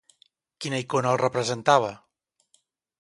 Quina icona el representava?